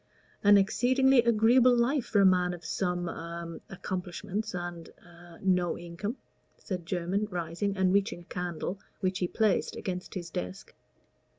"An exceedingly agreeable life for a man of some a accomplishments and a no income," said Jermyn, rising, and reaching a candle, which he placed against his desk.